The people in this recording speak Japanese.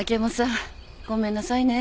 ごめんなさいね。